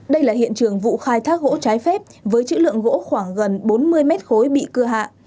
đây là hiện trường vụ khai thác gỗ trái phép với chữ lượng gỗ khoảng gần bốn mươi mét khối bị cưa hạ